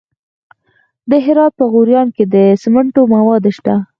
د هرات په غوریان کې د سمنټو مواد شته.